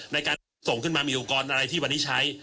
ในการส่งขึ้นมามีอุปกรณ์อะไรที่วันนี้ใช้